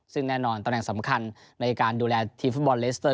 ซึ่งแน่นอนตำแหน่งสำคัญในการดูแลทีมฟุตบอลเลสเตอร์